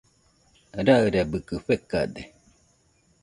Rairabɨkɨ fekade.